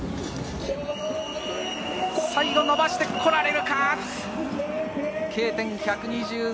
最後伸ばしてこられるか？